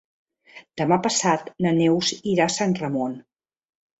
Demà passat na Neus irà a Sant Ramon.